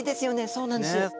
そうなんです。